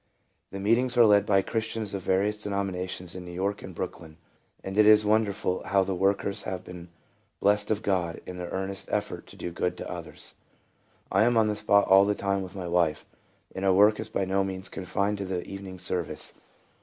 The meetings are led by Christians of va rious denominations in New York and Brook lyn, and it is wonderful how the workers have been blest of God in their earnest effort to do good to others, I am on the spot all the time with my wife, and our work is by no means confined to the evening service.